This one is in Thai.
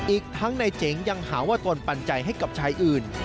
อีกทั้งนายเจ๋งยังหาว่าตนปัญญาให้กับชายอื่น